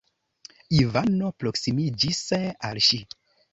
Ivano proksimiĝis al ŝi.